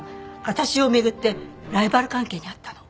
私を巡ってライバル関係にあったの。